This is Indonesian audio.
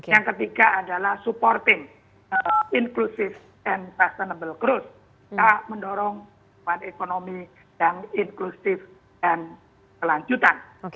yang ketiga adalah supporting inclusive and sustainable growth mendorong kekuatan ekonomi yang inklusif dan kelanjutan